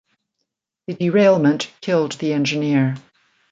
The derailment killed the engineer.